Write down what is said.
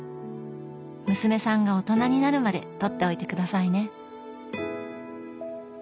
娘さんが大人になるまで取っておいて下さいね。